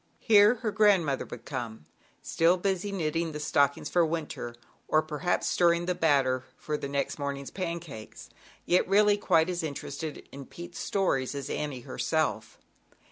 Here her grandmother would come, still busy knitting the stockings for winter, or perhaps stirring the batter for the next morning's pancakes, yet really ZAUBERLINDA, THE WISE WITCH. 53 quite as interested in Pete's stories as Annie herself.